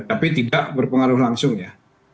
tapi tidak berpengaruh langsung ya